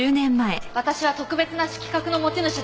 私は特別な色覚の持ち主だって。